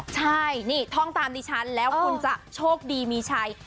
ใช่นี่ท่องตามดิฉันแล้วคุณจะโชคดีมีชัย